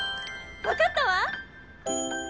わかったわ！